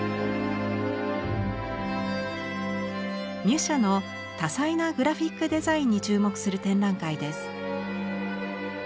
ミュシャの多彩なグラフィックデザインに注目する展覧会です。